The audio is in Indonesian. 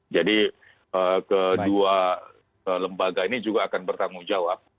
jadi kedua lembaga ini juga akan bertanggung jawab